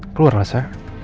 keluar lah sa